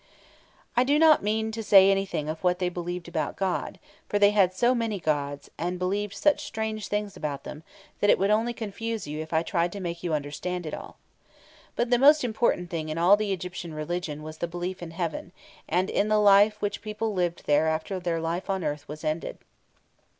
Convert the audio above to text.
I do not mean to say anything of what they believed about God, for they had so many gods, and believed such strange things about them, that it would only confuse you if I tried to make you understand it all. But the most important thing in all the Egyptian religion was the belief in heaven, and in the life which people lived there after their life on earth was ended.